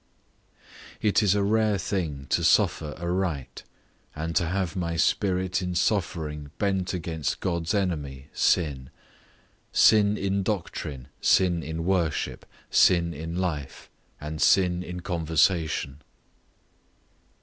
It is a rare thing to suffer aright, and to have my spirit in suffering bent against God's enemy, sin. Sin in doctrine, sin in worship, sin in life, and sin in conversation.